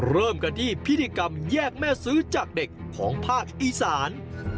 เริ่มกันที่พิธีกรรมแยกแม่ซื้อจากเด็กของภาคอีสาน